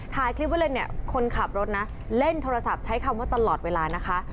ถ่ายคลิปไว้เลยเนี่ยคนขับรถนะเล่นโทรศัพท์ใช้คำว่าตลอดเวลานะคะ